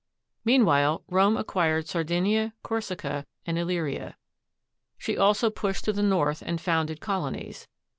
Meanwhile, Rome acquired Sardinia, Corsica, and Illyria. She also pushed to the north and founded colonies.